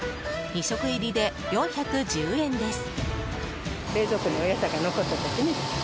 ２食入りで４１０円です。